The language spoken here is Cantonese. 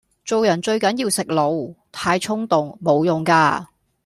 做人最緊要食腦，太衝動無用架